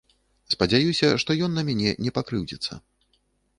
Спадзяюся, што ён на мяне не пакрыўдзіцца.